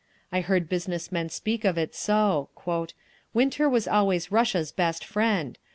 I heard business men speak of it so: "Winter was always Russia's best friend.